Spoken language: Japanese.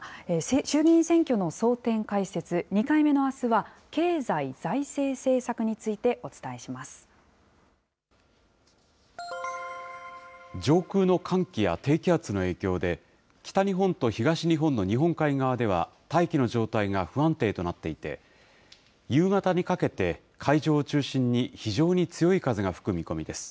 衆議院選挙の争点解説、２回目のあすは、経済・財政政策について、上空の寒気や低気圧の影響で、北日本と東日本の日本海側では、大気の状態が不安定となっていて、夕方にかけて、海上を中心に、非常に強い風が吹く見込みです。